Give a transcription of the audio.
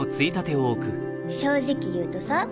正直言うとさ